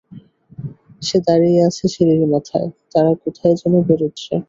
সে দাঁড়িয়ে আছে সিঁড়ির মাথায়, তারা কোথায় যেন বেরুচ্ছে।